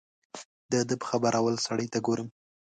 د ده په خبره اول سړي ته ګورم.